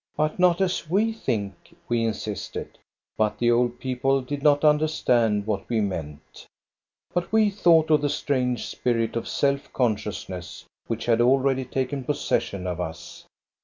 But not as we think," we insisted. But the old people did not understand what we meant. But we thought of the strange spirit of self con sciousness which had already taken possession of us.